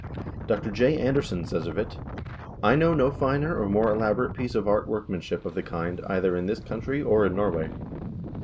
Dr. J. Anderson says of it : "I know no finer or more elaborate piece of art workmanship of the kind either in this country or in Norway."